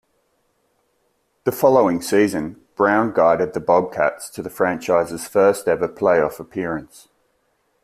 The following season, Brown guided the Bobcats to the franchise's first-ever playoff appearance.